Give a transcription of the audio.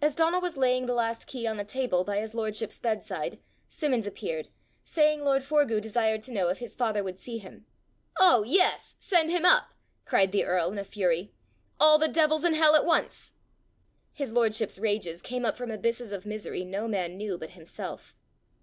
As Donal was laying the last key on the table by his lordship's bedside, Simmons appeared, saying lord Forgue desired to know if his father would see him. "Oh, yes! send him up!" cried the earl in a fury. "All the devils in hell at once!" His lordship's rages came up from abysses of misery no man knew but himself.